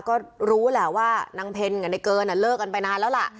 ก็รู้แหละว่านางเพ็ญกับในเกินเลิกกันไปนานแล้วล่ะ